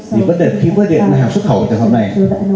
thì vấn đề khi phát hiện hàng xuất khẩu của trường hợp này